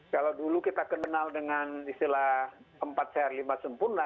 kalau dulu kita kenal dengan istilah empat sehat lima sempurna